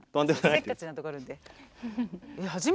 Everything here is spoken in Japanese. せっかちなところあるんで。